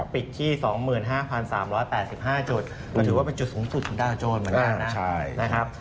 ปิดที่๒๕๓๘๕จุดก็ถือว่าเป็นจุดสูงสุดของดาวโจรเหมือนกันนะครับ